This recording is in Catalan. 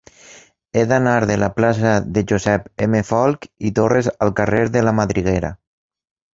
He d'anar de la plaça de Josep M. Folch i Torres al carrer de la Madriguera.